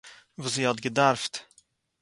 וואָס זי האָט געדאַרפט